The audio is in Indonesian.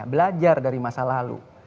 belajar dari masa lalu